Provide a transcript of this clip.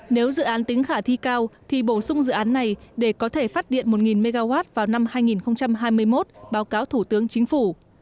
nếu dự án tính khả thi cao thì bổ sung dự án này để có thể phát điện một mw vào năm hai nghìn hai mươi một báo cáo thủ tướng chính phủ